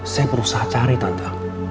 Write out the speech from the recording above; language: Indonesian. saya berusaha cari tante